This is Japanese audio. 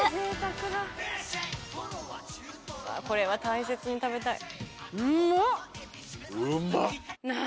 これは大切に食べたい。